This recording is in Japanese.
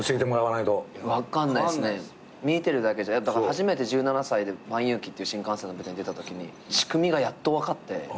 初めて１７歳で『蛮幽鬼』っていう新感線の舞台に出たときに仕組みがやっと分かって。